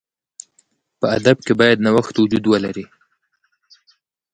په ادب کښي باید نوښت وجود ولري.